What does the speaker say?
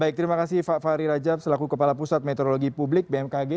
baik terima kasih pak fahri rajab selaku kepala pusat meteorologi publik bmkg